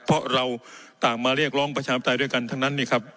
เพราะเราต่างมาเรียกร้องประชาปไตยด้วยกันทั้งนั้นนี่ครับ